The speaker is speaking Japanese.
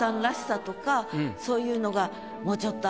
そういうのが。